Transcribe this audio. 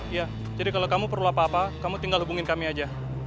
iya jadi kalau kamu perlu apa apa kamu tinggal hubungin kami aja